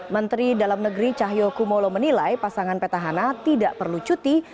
menteri dalam negeri cahyokumolo menilai pasangan petahana tidak perlu cuti